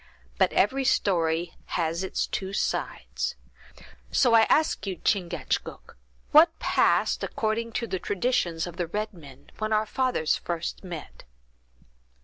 But every story has its two sides; so I ask you, Chingachgook, what passed, according to the traditions of the red men, when our fathers first met?"